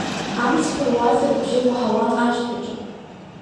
Амҵ ԥыруазар абжьы уаҳауан ашҭаҿы.